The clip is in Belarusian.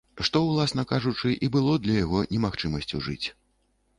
Што, уласна кажучы, і было для яго немагчымасцю жыць.